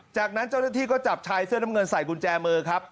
จากนั้นเจ้าหน้าที่ก็จับชายเสื้อน้ำเงินใส่กุญแจมือครับ